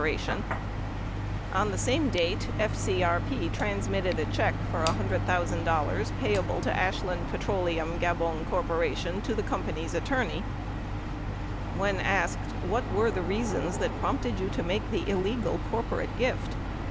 39 On the same date, FCRP transmitted a check for $100,000 payable to Ashland Petroleum Gabon Corp. to the com pany's attorney. 40 When asked, "What were the reasons that prompted you to make the illegal corporate gift?"